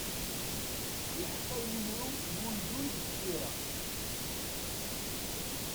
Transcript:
Yeḥfa yimru n uldun deg tira.